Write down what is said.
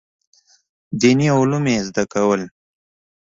دیني علوم یې زده کول.